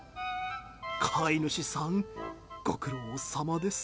飼い主さん、ご苦労さまです。